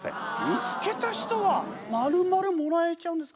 見つけた人はまるまるもらえちゃうんですか？